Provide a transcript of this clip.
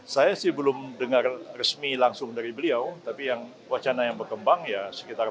saya sih belum dengar resmi langsung dari beliau tapi yang wacana yang berkembang ya sekitar